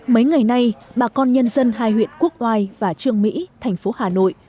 mấy ngày nay bà con nhân dân hai huyện quốc oai và trương mỹ thành phố hà nội